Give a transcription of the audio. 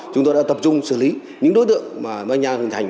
chúng tôi đã tập trung xử lý những đối tượng mà manh nha thành hình thành